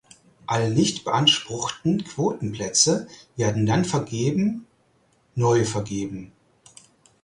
Alle nicht beanspruchten Quotenplätze werden dann vergeben neu vergeben.